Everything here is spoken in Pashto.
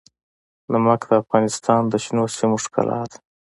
نمک د افغانستان د شنو سیمو ښکلا ده.